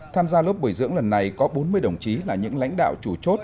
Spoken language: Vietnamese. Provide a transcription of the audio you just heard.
tham gia lớp bồi dưỡng lần này có bốn mươi đồng chí là những lãnh đạo chủ chốt